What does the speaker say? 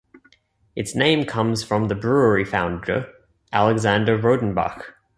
Its name comes from the brewery founder, Alexandre Rodenbach.